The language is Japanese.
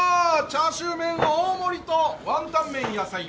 チャーシュー麺大盛りとワンタン麺野菜マシマシ！